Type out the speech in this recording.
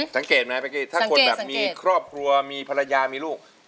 สังเกตไหมเมื่อกี้ถ้าคนแบบมีครอบครัวมีภรรยามีลูก